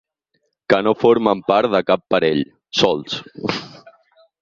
Que no formen part de cap parell, solts.